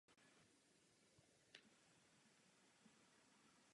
Jeskyni je nutné ale také najít.